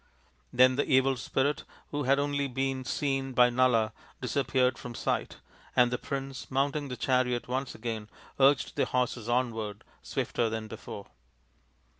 Then the evil spirit, who had only been seen by Nala, disappeared from sight, and the prince, mount ing the chariot once again, urged the horses onward, swifter than before.